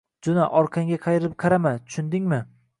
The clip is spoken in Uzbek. Joʻna, orqangga qayrilib qarama! Tushundingmi?!